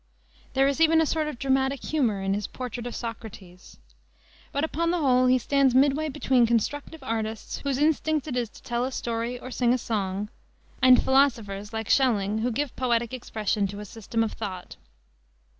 There is even a sort of dramatic humor in his portrait of Socrates. But upon the whole he stands midway between constructive artists, whose instinct it is to tell a story or sing a song, ami philosophers, like Schelling, who give poetic expression to a system of thought.